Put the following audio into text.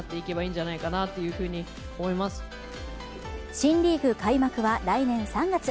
新リーグ開幕は来年３月。